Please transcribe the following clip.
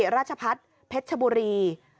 ราชพัฒน์เพชรชบุรี